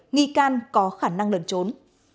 nghi can có khả năng lần trốn